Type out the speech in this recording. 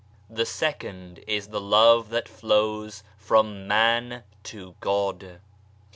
The second is the love that flows from man to God.